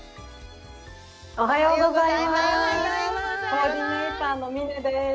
おはようございます。